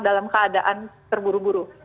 dalam keadaan terburu buru